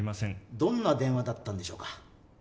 どんな電話だったんでしょうか？